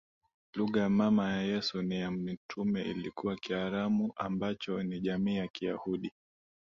Lugha mama ya Yesu na ya Mitume ilikuwa Kiaramu ambacho ni jamii ya Kiyahudi